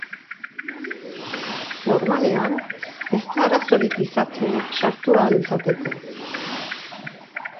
Normalean, ez da arazorik izaten sartu ahal izateko.